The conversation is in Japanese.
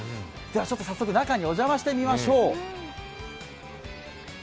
早速、中にお邪魔してみましょう。